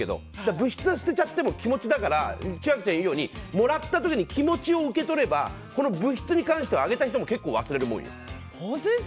物質は捨てても気持ちだから千秋ちゃんが言うようにもらった時に気持ちを受け取ればこの物質に関してはあげた人も結構忘れるもんよ。